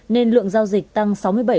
nên lượng giao dịch tăng sáu mươi bảy